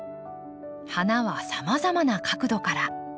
花はさまざまな角度から。